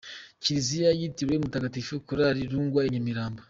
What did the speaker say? Kiliziya yitiriwe Mutagatifu Karoli Lwanga i Nyamirambo.